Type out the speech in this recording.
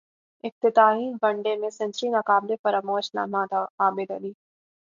افتتاحی one day میں century ناقابل فراموش لمحہ تھاعابدعلی